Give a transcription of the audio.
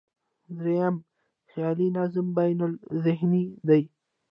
درېیم، خیالي نظم بینالذهني دی.